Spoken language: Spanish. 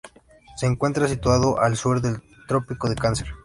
Se encuentra situado al sur del Trópico de Cáncer.